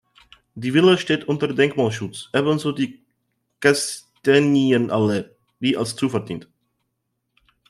Die Villa steht unter Denkmalschutz, ebenso die Kastanienallee, die als Zufahrt dient.